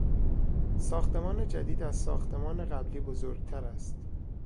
ساختمان جدید از ساختمان قبلی بزرگتر است.